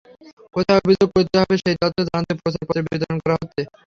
কোথায় অভিযোগ করতে হবে, সেই তথ্য জানাতে প্রচারপত্র বিতরণ করা হচ্ছে।